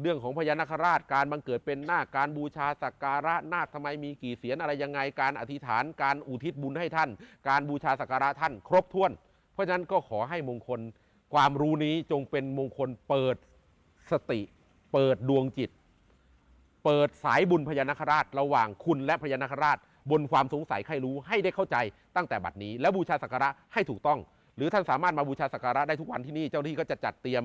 เรื่องของพญานคาราชการบังเกิดเป็นหน้าการบูชาสักการะหน้าสมัยมีกี่เสียรอะไรยังไงการอธิษฐานการอุทิศบุญให้ท่านการบูชาสักการะท่านครบถ้วนเพราะฉะนั้นก็ขอให้มงคลความรู้นี้จงเป็นมงคลเปิดสติเปิดดวงจิตเปิดสายบุญพญานคาราชระหว่างคุณและพญานคาราชบนความสงสัยให้รู้ให้ได้เข้าใจตั้งแต่บัตรนี้